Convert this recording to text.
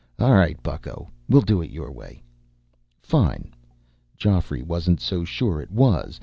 "All right, bucko, we'll do it your way." "Fine." Geoffrey wasn't so sure it was.